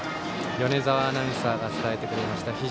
米澤アナウンサーが伝えてくれました。